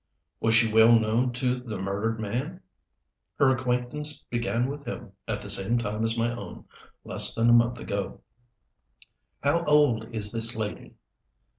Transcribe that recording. "Was she well known to the murdered man?" "Her acquaintance began with him at the same time as my own less than a month ago." "How old is this lady?"